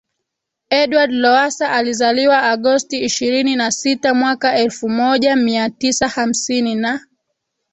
Edward Lowassa alizaliwa Agosti ishirini na sita mwaka elfu moja Mia Tisa hamsini na